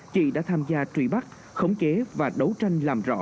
chị đã tham gia trùy bắt khống kế và đấu tranh làm rõ